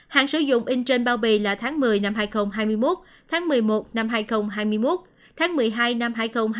hàng sử dụng in trên bao bì là tháng một mươi năm hai nghìn hai mươi một tháng một mươi một năm hai nghìn hai mươi một tháng một mươi hai năm hai nghìn hai mươi ba